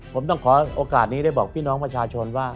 ผมต้องขอโอกาสนี้ได้บอกพี่น้องประชาชนว่า